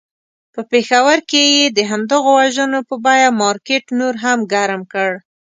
په پېښور کې یې د همدغو وژنو په بیه مارکېټ نور هم ګرم کړ.